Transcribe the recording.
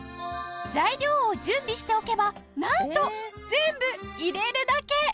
材料を準備しておけばなんと全部入れるだけ！